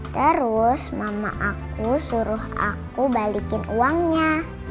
terus mama aku suruh aku balikin uangnya